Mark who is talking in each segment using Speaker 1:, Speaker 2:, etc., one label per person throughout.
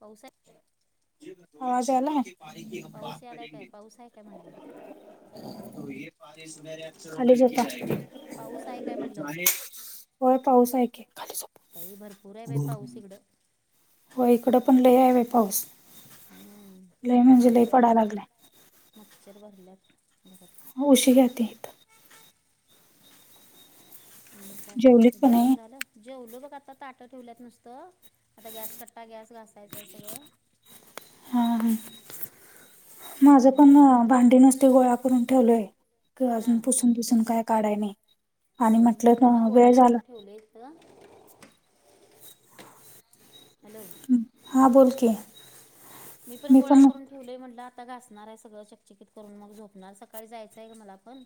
Speaker 1: पाऊस हाय?
Speaker 2: आवाज आला? खाली झोपा.
Speaker 1: पाऊस यालाय काय पाऊस आहे काय म्हणलं?
Speaker 2: [unintelligible]
Speaker 1: पाऊस आहे काय म्हणलं?
Speaker 2: होय पाऊस हाय की.
Speaker 1: बाई भरपूर आहे बाई पाऊस इकडं.
Speaker 2: हो इकडं पण लय आहे व पाऊस.
Speaker 1: हम्म
Speaker 2: लय
Speaker 1: काय
Speaker 2: म्हणजे लय
Speaker 1: मच्छर
Speaker 2: पडाय लागलाय.
Speaker 1: भरलेत मच्छर भरल्यात भर
Speaker 2: उशी घाते
Speaker 1: हम् काय
Speaker 2: जेवलीत का
Speaker 1: जेवण
Speaker 2: नाही?
Speaker 1: झालं? जेवलो बघ आता ताटं ठेवल्यात नसतं आता गॅस कट्टा गॅस घासायचं आहे सगळं.
Speaker 2: हा ह माझं पण
Speaker 1: हम्म
Speaker 2: भांडी नुसती गोळा करून ठेवलय. त अजून
Speaker 1: हां
Speaker 2: पुसून पुसून काय काढाय नाही. आणि
Speaker 1: हो मी
Speaker 2: म्हटलं
Speaker 1: पण आता
Speaker 2: ना
Speaker 1: गोळा
Speaker 2: वेळ झाला.
Speaker 1: करून ठेवले त. हॅलो
Speaker 2: हां बोल की
Speaker 1: मी पण गोळा करून ठेवलंय म्हटलं आता घासणार आहे सगळं चकचिकित करून मग झोपणार सकाळी जायचंय का मला पण.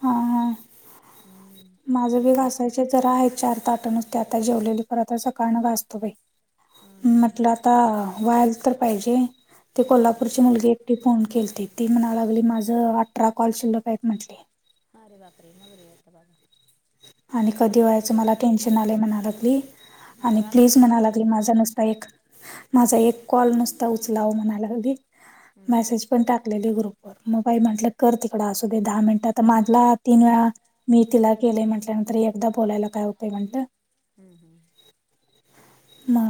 Speaker 2: हा हा.
Speaker 1: हम्म. तिकडे
Speaker 2: माझं बी
Speaker 1: जरा का
Speaker 2: घासायचे जरा आहे चार ताट नुसते आता जेवलेले परत सकाळन घासतो बाई.
Speaker 1: हां हां
Speaker 2: म्हटलं
Speaker 1: हां
Speaker 2: आता वळल तर पाहिजे ते
Speaker 1: होय
Speaker 2: कोल्हापूरची मुलगी. ती फोन केल ती, ती म्हणाला लागली माझं अठरा कॉल शिल्लकक म्हटली.
Speaker 1: अरे बापरे! मगरे एकदा.
Speaker 2: आणि कधी व्हायचं मला टेन्शन आलंय म्हणालागली,
Speaker 1: आता
Speaker 2: आणि प्लीज
Speaker 1: रात्रभर बसती
Speaker 2: म्हणालागली
Speaker 1: का काय
Speaker 2: माझं नस म एक, माझा एक कॉल नुसता उचला म्हणाला लागली
Speaker 1: हम्म
Speaker 2: मा पण टाकलेली ग्रुप. मग बाई म्हटलं कर तिकड असू दे दहा मिनिट तर माला तीन वेळा मी तिला. केले म्हटल्यानंतर एकदा बोलायला काय होतेय म्हट.
Speaker 1: हम् हम्.
Speaker 2: [inaudible] मा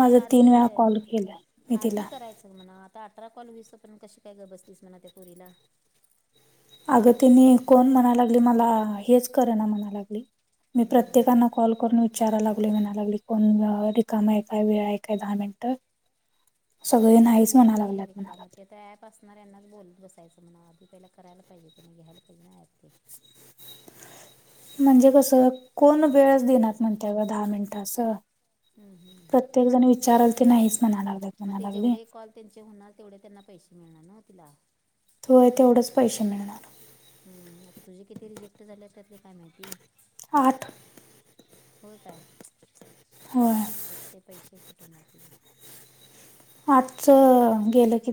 Speaker 1: ते आधी,
Speaker 2: मी तिला
Speaker 1: आधी करायचं म्हणा आ आता अठरा कॉल होईस पर्यंत कशी काय गप बसतीस मणा त्या पुरीला.
Speaker 2: अगतीनी कोण म्हणाय लागली मला हेच करना म्हणा लागली मी प्रत्य
Speaker 1: हम्म
Speaker 2: प्रत्येकांना कॉल करून विचाराय लागले म्हणा लागली कोण रिकाम आहे काय वेळ आहे काय दहा मिनिटं. सगळे नाहीच म्हणा लागल्यात म्हणाला.
Speaker 1: त्या ॲप असणार यांनाच बोलत बसायचं म्हणा आधी पहिला करायला पाहिजे ते नाही घ्यायला पाहिजे ना प ते.
Speaker 2: म्हणजे कसं कोण वेळच देणार म्हणतय का दहा मिनिट असं.
Speaker 1: हम्म हम्म
Speaker 2: प्रत्येक जण विचारल ते नाहीच म्हणायला लाग.
Speaker 1: मग ते जेवढे कॉल त्यांचे होणार तेवढे त्यांना पैसे मिळणार न तिला.
Speaker 2: होय तेवढंच पैसे मिळणार.
Speaker 1: हम्म आता तुझे किती रिजेक्ट झाले त्याले काय माहिती.
Speaker 2: आठ.
Speaker 1: हो काय?
Speaker 2: होय
Speaker 1: आठच ते पैसे कटवणार तुझे.
Speaker 2: आठच गेलं की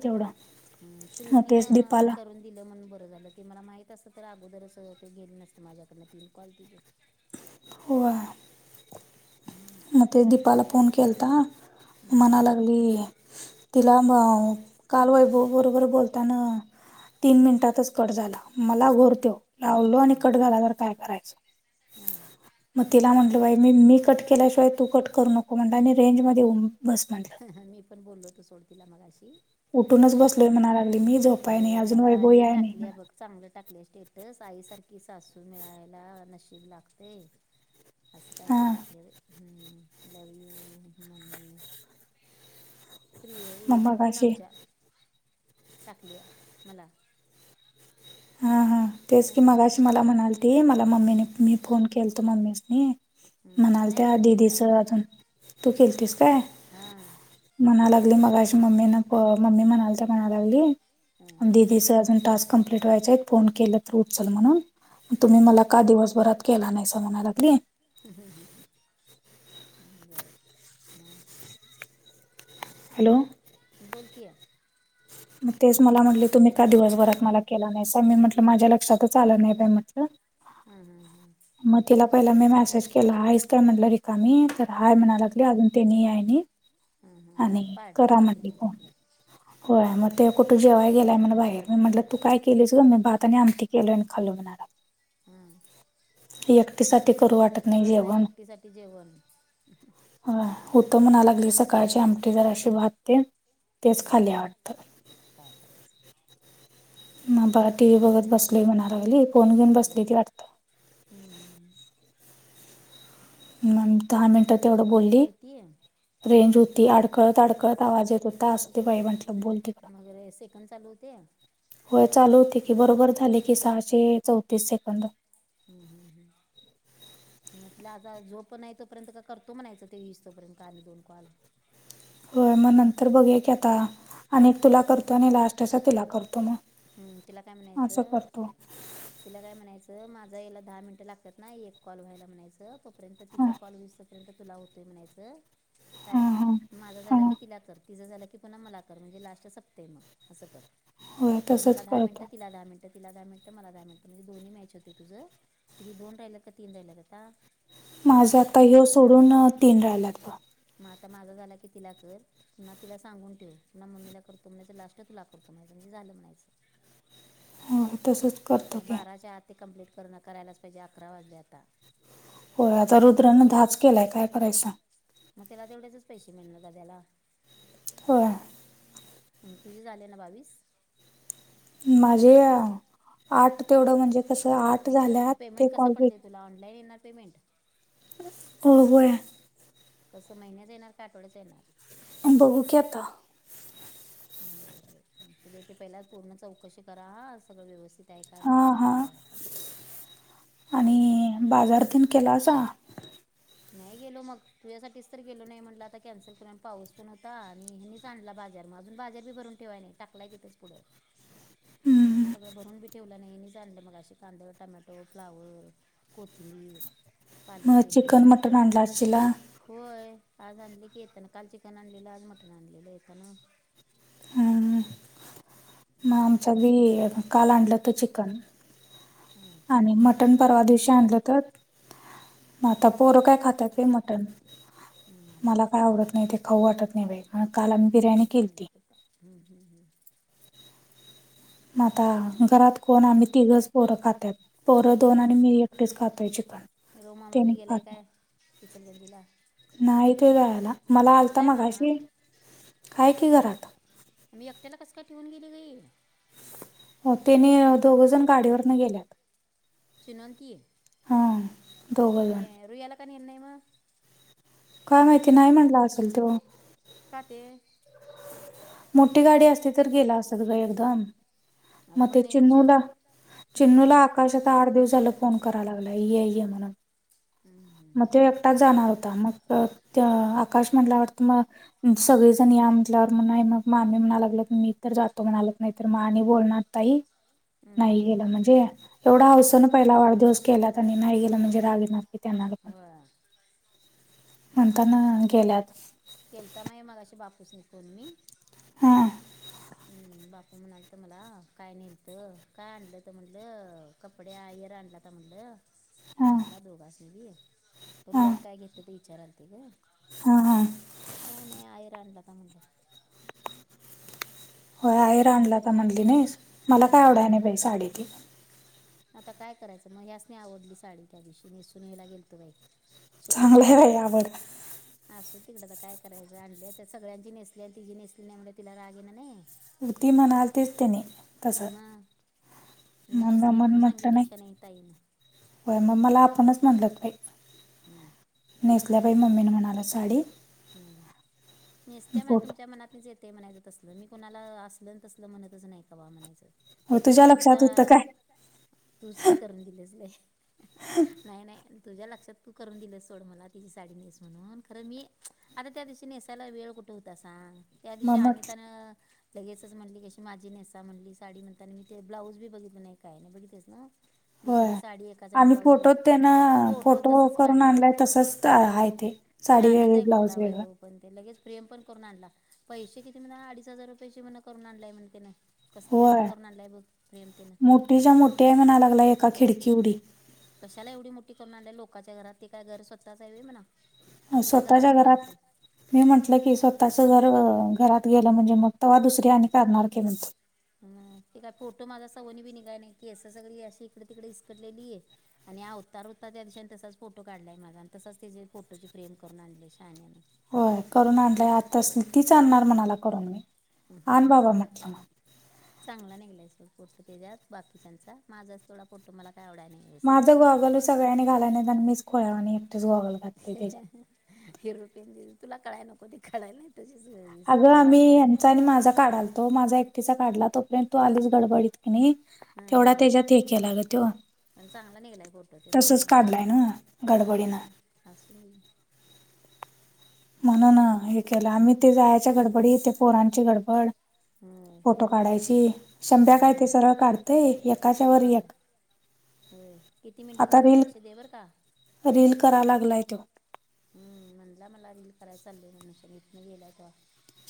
Speaker 1: हम्म,
Speaker 2: तेवढं तेच
Speaker 1: श्रुतीनं
Speaker 2: दीपाला.
Speaker 1: करून दिलं म्हण बरं झालं ते मला माहित असत तर अगोदरच ते गे नसते माझ्याकडन तीन कॉल तिथे.
Speaker 2: होवा.
Speaker 1: हां
Speaker 2: मग ते दीपाला फोन केलता मनालागली. तिला अ काल वैभव बरोबर बोलताना. तीन मिनिटातच कट झाला मला घोरतो लावलो आणि कट झाला तर काय करायचं.
Speaker 1: हम्म.
Speaker 2: मग तिला म्हटलं बाय मी-मी कट- केल्याशिवाय तू कट करू नको म्हण आणि रेंज मध्ये बस म्हटलं.
Speaker 1: ह मी पण बोललो होतो सोडतीला मगाशी.
Speaker 2: उठूनच बसलोय म्हणा लागली मी.
Speaker 1: ह
Speaker 2: झोपाय नाही अजून
Speaker 1: मला
Speaker 2: वैभव
Speaker 1: हे
Speaker 2: याय नाही
Speaker 1: टाकली आहे
Speaker 2: म्हणा
Speaker 1: बघ. चांगले टाकले स्टेटस आईसारखी सासू मिळायला नशीब लागते. हस काय का
Speaker 2: हां
Speaker 1: टाकले हम्म लव येऊ मम्मी. प्रि हे
Speaker 2: मग
Speaker 1: दिपू
Speaker 2: मगाशी
Speaker 1: नामच्या. टाकली आहे मला.
Speaker 2: हा-हा तेच की
Speaker 1: हम्म,
Speaker 2: मगाशी मला म्हणाल त मला मम्मीने
Speaker 1: हम्म,
Speaker 2: मी फोन केलतो मम्मीसनी.
Speaker 1: हम्म. नाही
Speaker 2: म्हणाता
Speaker 1: मी केलता
Speaker 2: दिदीच अजून तू केलतीस का?
Speaker 1: हा.
Speaker 2: म्हणा लागली मग अशी मम्मी ना मम्मी म्हणाल तर म्हणा
Speaker 1: हं,
Speaker 2: लागली दि तिसं अजून टाक कमंप्लीट व्हायचे आहेत फोन केलं फ्रूटचाल म्हणून. तुम्ही
Speaker 1: हं,
Speaker 2: मला का दिवसभरात केला नाही अस म्हणायला लागली.
Speaker 1: हम्म्म ह बर मग.
Speaker 2: हॅलो!
Speaker 1: बोल की
Speaker 2: मग तेच मला म्हटले तुम्ही का दिवसभरात मला केला नाही. मी म्हटलं माझ्या लक्षातच आलं नाही बा म्हटलं.
Speaker 1: हा हा हा.
Speaker 2: मग तिला पहिला मी मेसेज केला हाच काय म्हटल रिक का मी तर हाय म्हणालागली अजून त्यांनी यायनी
Speaker 1: हां हां आज
Speaker 2: आणि
Speaker 1: पार्टी आहे
Speaker 2: करा
Speaker 1: वाटतं
Speaker 2: म्हटली फोन.
Speaker 1: त्यांच्याकडे
Speaker 2: होय मग ते कुठे जेव्हा गेलाय म्हण बाहेर मी म्हटलं तू काय केलीस ग मी बाात आणि आमती केलय आणि खालो म्हणाला.
Speaker 1: हम
Speaker 2: एकटी साठी करू वाटत नाही जेवण.
Speaker 1: एकटीसाठी जेवण
Speaker 2: ह होत म्हणा लागली सकाळची आमटी जर अशी भातते तेच
Speaker 1: हं,
Speaker 2: खाली वाटत.
Speaker 1: काय करायचं.
Speaker 2: ना परत टीव्ही बघत बसले म्हणागली फोन घेऊन बसली ती आता.
Speaker 1: हम्मम
Speaker 2: म दहा मिनिटात तेवढं
Speaker 1: मग रेंज
Speaker 2: बोलली.
Speaker 1: होती
Speaker 2: रेंज होती अडकळत अडकळत आवाज येत होता असं ते बाई म्हटलं बोल. तिकडं.
Speaker 1: मग रे! सेकंड चालू होते.?
Speaker 2: होय चालू होते की बरोबर झाले की सहाशे चौतीस सेकंद.
Speaker 1: हम् हम् हम् मग तला आता जो पण नाही तोर्यंत का करतो म्हणा यायच ते वीस तोपर्यंत का आणि दोन कल
Speaker 2: होय मग नंतर बघे की आता अनेक तुला करतो आणि लास्टचा तिला करतो मग.
Speaker 1: हम्म तिला काय
Speaker 2: असं
Speaker 1: म्हणायचं?
Speaker 2: करतो
Speaker 1: तिला काय म्हणायचं माझा याला दहा मिनिटं लागतात ना एक कॉल व्हायला म्हणायचं तोपर्यंत
Speaker 2: हां
Speaker 1: तिचा कॉल वीसपर्यंत तुला होतोय म्हणायचं काय
Speaker 2: हां हां
Speaker 1: माझा झाला
Speaker 2: हां
Speaker 1: कि तिला कर. तिचं झालं की पुन्हा मला कर म्हणजे लास्ट सपते मग असं कर
Speaker 2: होय
Speaker 1: म्हणजे
Speaker 2: तसंच
Speaker 1: मला दहा मिनट
Speaker 2: करतो
Speaker 1: तिला दहा मिनट. तिला दहा मिनटं मला दहा मिनटं म्हणे दो्ही मॅच होते तुझं किती दोन राहिलं का तीन राहिलेत आता?
Speaker 2: माझा आता यो सोडून तीन राहिलात.
Speaker 1: मग आता माझा झाला की तिला कर. ना तिला सांगून ठेव ना मम्मीला करतो म्हणायचं लास्ट तुला करतो म्हणायच म्हणजे झालं म्हणायचं.
Speaker 2: [unintelligible] तसंच करतो की
Speaker 1: बाराच्या आ कमप्लीट करून करायलाच पाहिजे अकरा वाजले आता.
Speaker 2: होय आता रुद्रनें दहाच केलाय काय करायचा सांग?
Speaker 1: मग त्याला तेवढ्याचच पैसे मिळणार दाद्याला
Speaker 2: हो
Speaker 1: तुझे झाले ना बावीस?
Speaker 2: माझे आठ तेवढं म्हणजे कसं आठ झाल्या
Speaker 1: मग
Speaker 2: ते
Speaker 1: पेमेंट कसं
Speaker 2: कॉल
Speaker 1: पडते तुला ऑनलान येणार पेमेंट
Speaker 2: हो होय
Speaker 1: कसं महिन्याच येणार का आठवड्याच येणार?
Speaker 2: बघू की आता.
Speaker 1: बर ब ते पहिल्या पूर्ण चौकशी करा सगळं व्यवस्थित. त्याही काय मग
Speaker 2: हां
Speaker 1: बोलू
Speaker 2: हां
Speaker 1: जाव.
Speaker 2: आणि बाजारातन केला असा?
Speaker 1: नाही गेलो मग तुझ्यासाठीच तर गेलो नाही म्हटलं आता कॅन्सल करून पाऊस पण होता आणि चांला बाजार मा अजून बाजार भी भरून ठेवाय नाही टकलाय तिथच पुढं.
Speaker 2: [inaudible] हम्म.
Speaker 1: सगळं भरून बी ठेवलं नाही जाणलं मग अे कांदे टमॅटो फ्लावर कोथिंबीर पालक
Speaker 2: मग
Speaker 1: पेंडी
Speaker 2: चिकन, मटण आणला असचीला?
Speaker 1: होय आज आणली की येताना काल चिकन आणलेलं आज मटण आणलेलं येताना.
Speaker 2: म
Speaker 1: हं, तेच
Speaker 2: आमचा
Speaker 1: ना.
Speaker 2: वी काल आणला त चिकन
Speaker 1: हम
Speaker 2: आणि मटण परवा दिवशी आणलं तर आता पोरं काय खातात मटन
Speaker 1: हं.
Speaker 2: मला काय आवडत नाही ते खाऊ वाटत नाही बाे आणि कालंबी बिर्याणी केली ती
Speaker 1: हम्म हम् हम्
Speaker 2: म आता घरात कोण आम्ही तिघच पोरं खातात पोरं दोन आणि मी इकडेच खातोय चिकन तेने खात
Speaker 1: अलला
Speaker 2: नाही ते जायला मला आलता
Speaker 1: मामा
Speaker 2: मगाशी काय की घरात
Speaker 1: मी एकट्याला कस काय ठेऊन गेली गईल
Speaker 2: हो त्यांने दोघंजण गाडीवरन गेल्यात
Speaker 1: चुनवती
Speaker 2: हा दोघ
Speaker 1: आणि
Speaker 2: जण
Speaker 1: रुयाला का हर्णय म
Speaker 2: काय माहिती नाही म्हटलं असेल तो
Speaker 1: काट
Speaker 2: मोठी गाडी असते तर गेला असतात ग एकदम
Speaker 1: अगं
Speaker 2: मग ते
Speaker 1: पण याची
Speaker 2: चिन्नूला चिन्नूला
Speaker 1: हं,
Speaker 2: आकाश आता आठ दिवस झाला फोन कराय लागलाय म्हणून
Speaker 1: हम्म
Speaker 2: मग तो एकटाच जाणार होता मग आकाश म्हटल्यावर त मग सगळेजण या म्हटल्यावर म्ह म मामी म्हणा लागल मी तर जातो म्हणाल नाही तर मा आणि बोलणार ताही
Speaker 1: हं,
Speaker 2: नाही
Speaker 1: हं.
Speaker 2: गेलं म्हणजे एवढा हवस ना पहिला वाढदिवस केलात आणि नाही गेलं म्हणजे रागी म पण
Speaker 1: होय
Speaker 2: म्हणताना गेल्यात
Speaker 1: केलता म मग बापूस निकन मी
Speaker 2: हां
Speaker 1: बापू त म्हणालत मला काय निलतं काय आणलं तर म्हणटलं कपडे आ इर आणलं तर म्हणटलं
Speaker 2: हां
Speaker 1: आम्हाला दोघास नी परयान काय घेत त विचाराल त ग
Speaker 2: हा हा
Speaker 1: काही नाही आहेर आणला का म्हणलं
Speaker 2: हो आईरा आणला तर म्हणली नाही मला काय
Speaker 1: होय
Speaker 2: आवडाय
Speaker 1: म्हटलं
Speaker 2: नाही साडी ती
Speaker 1: आता काय करायचं मग ह्याच नाही आवडली साडी त्या दिवशी नेसून ह्यायला गेलतो बाई शखकर
Speaker 2: चांगलं आहे बाई
Speaker 1: सिमणापूर्ला
Speaker 2: आवड
Speaker 1: असंदे तिकडे तर काय करायचं आणले तर सगळ्यांची नेसली आणि तिची नेसली नाही म्हनल तिला राग येणार नाही काय
Speaker 2: तेनी म्हणलतीत तेने तस
Speaker 1: मग मग
Speaker 2: मनग
Speaker 1: नेसली
Speaker 2: मण
Speaker 1: म्हणून
Speaker 2: म्हटलं
Speaker 1: सांगितलीस
Speaker 2: नाही
Speaker 1: का ताईनं
Speaker 2: हो ममला आपप्रणच मानलतप आहे
Speaker 1: हम्म
Speaker 2: नेसल्या पाहि मम्मीने म्हणाला साडी
Speaker 1: हम्म नेसत्या म्हणा
Speaker 2: फोटो
Speaker 1: तुमच्या मनातलीच येत ते म्हणायचं तसल मी कोणाला असलं तसल म्हणतच नाही कं म्हणायचं
Speaker 2: हो
Speaker 1: तरर
Speaker 2: तुझ्या
Speaker 1: तुम्ही
Speaker 2: लक्षात होतं
Speaker 1: आमच्या
Speaker 2: काय
Speaker 1: तुचकी करून दिलीय नाही नाही तुझ्या लक्षात तू करून दिलंस सोड मला तिची साडी नेस म्हणून खरं मी आता त्या दिवशी नेसायला वेळ कुठे होता सांग त्या दिवशी
Speaker 2: मग
Speaker 1: अनितान
Speaker 2: म्हटलं
Speaker 1: लगेच म्हणली कशी माझी नेसा म्हणली साडी म्हणता आणि मी ते ब्लाऊज बी बघित नाही काय नाही बघितेस ना दुसरी साडी एक
Speaker 2: आणिम्ही फोटो त्यांना फोटो
Speaker 1: तसंच
Speaker 2: करून आणलाय तसच आहेाय ते साडी
Speaker 1: शानच
Speaker 2: वेगळी
Speaker 1: आहे
Speaker 2: ब्लाऊज
Speaker 1: कुठला
Speaker 2: वेगळं
Speaker 1: वैभव पण ते लगेच प्रेम पण करून आणला पैसे किती म्हणा अडीच हजार रुपयाे म्ह करून आणलाय म्हण कसली असली करून आणली आहे ब प्रेमतेन
Speaker 2: च्या मोठ्या आहे म्हणा लागय एका खिडकी उडी
Speaker 1: कशाला एवढी मोठी करून आणली लोकाच्या घरात ते काय घर स्वतःचवी म्हणा. आपल्या घरात करायचं.
Speaker 2: मी म्हटलं की स्वतःच जर घरात गेलं म्हणजे मग तेव्हा दुसरी आणि करणार की
Speaker 1: ह ते काय फोटो माझा सवनी बी नि काय नाही की असं सगळी अशी इकडे तिकडे इस्कटलेली. आणि ह अवतार होता त्या दिशेने तसाच फोटो काढलाय माझा आणि तसच त्या फोटोची फ्रेम करून आणली शहाानने.
Speaker 2: होय करून आणलंय आता अस तीच आणणार म्हणाला करून मी. आण
Speaker 1: ह
Speaker 2: बाबा
Speaker 1: ह
Speaker 2: म्हटलं मग.
Speaker 1: ह. चांगला निघलाय सल कुर्त तेजत बाकीच्यांचा माझा थोडा फोटो मला काय आवडाय नाही. व्यवस्थित
Speaker 2: माझं गॉगल्स सगळ्यांनी घालाय नाही मीच खो आणि एकटेच गॉगल. घातली त्याच्यात
Speaker 1: हिरोपियन तुला कळाय नको ते कळायला नाही. तशीच वीस
Speaker 2: आग
Speaker 1: उभारली
Speaker 2: आमही आणि माझा काढाला तो माझा एकटीचा काढला तोपर्यंत तू आलीच गडबडीत क नाही.
Speaker 1: हां
Speaker 2: तेवढा
Speaker 1: हां
Speaker 2: त्याच्यात हे केला ग तो.
Speaker 1: पण चांगला निघलाय फोटो ते मस्त
Speaker 2: तसच
Speaker 1: निघलाय.
Speaker 2: काढलाय ना गडबडीनं म्हण ना हे केलं आम्ही ते जाण्याच्या गडबडीत एक पोरांची गडबड.
Speaker 1: हम.
Speaker 2: फोटो काढायची शंभ्या काय ते सरळ काढतंय एकाच्या वर एक.
Speaker 1: होय किती मिनिटं
Speaker 2: आता
Speaker 1: झाले
Speaker 2: रील
Speaker 1: लक्ष दे बर का?
Speaker 2: रील करा लागलाय तो.
Speaker 1: हम्म म्हणला मला रील करायच चालय मनुषंगतन गेलायतवा.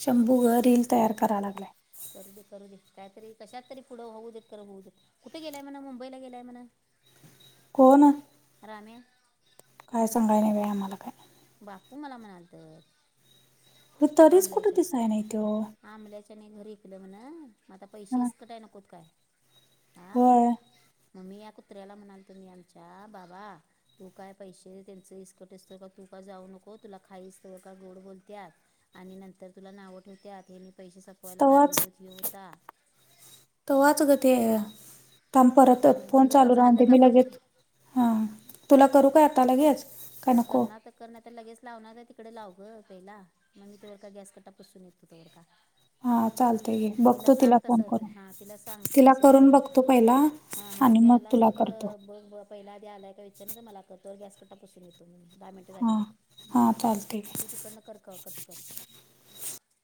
Speaker 2: शंभू ग रील तयार कराय लागलय.
Speaker 1: करू दे करू दे काहीतरी कशात तरी पुढं होऊ देत तर होऊ देत. कुठे गेलाय म्हणा मुंबई गेला य म्हण.
Speaker 2: कोण?
Speaker 1: राम्या.
Speaker 2: काय सांगाय नाही बाई आमला काय.
Speaker 1: बापू मला म्हणाल त.
Speaker 2: अे तरीच कुठे दिसाय नाही तो.
Speaker 1: आंमल्याच्याने घरी ऐकलं म्हण म आता पैसेच कटाय नकोत काय? आं.
Speaker 2: होय
Speaker 1: मग मी या कुत्र्याला म्हणाल तुम्ही आमच्या बाबा तू काय पैसे त्यांचं इस्कटिसतो का तू का जाऊ नको तुला काहीस त्वरक का गोड बोलतत आणि नंतर तुला नाव ठेवत्यात हे. पैसे संपवायला कारणीभूत ह्यो होता.
Speaker 2: त वाच ग ते परत
Speaker 1: अं, बघ
Speaker 2: फोन
Speaker 1: जरा
Speaker 2: चालू
Speaker 1: झालं
Speaker 2: राहूनते
Speaker 1: का
Speaker 2: मी
Speaker 1: बघ इथे
Speaker 2: लगेच. हा तुला करू काय आता लगेच? काय नको
Speaker 1: करना तर. कर लगेच लावणार आहे तिकडे लावू ग पहिला मग मी तेवर का गॅस कंटाळून पसून येतो त्यावर का.
Speaker 2: हा चालतय घे
Speaker 1: तिला
Speaker 2: बघतो
Speaker 1: सांग तस
Speaker 2: फोन करून
Speaker 1: हा तिला सांग
Speaker 2: तिला
Speaker 1: मेसेज
Speaker 2: करून
Speaker 1: करणं तर.
Speaker 2: बघतो पहिला
Speaker 1: हा हा
Speaker 2: आणि
Speaker 1: तो
Speaker 2: मग
Speaker 1: आला असता
Speaker 2: तुला
Speaker 1: तर
Speaker 2: करतो
Speaker 1: बघ. पहिला आधी आलाय का विघ्ने मला को गॅस कटापसून येतो म दहा मिनट
Speaker 2: हां
Speaker 1: बघ
Speaker 2: हां चालते
Speaker 1: तू तिकड न कर कर कट कर.